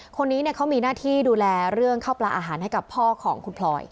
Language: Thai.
คนนี้เขามีหน้าที่ดูแลเรื่องข้าวปลาอาหารให้กับพ่อของคุณพลอย